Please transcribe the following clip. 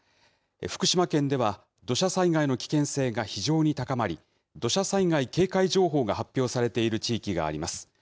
福島県では土砂災害の危険性が非常に高まり、土砂災害警戒情報が発表されている地域があります。